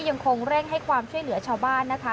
ยังคงเร่งให้ความช่วยเหลือชาวบ้านนะคะ